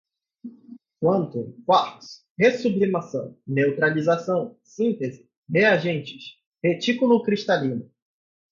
quantum, quarks, re-sublimação, neutralização, síntese, reagentes, retículo cristalino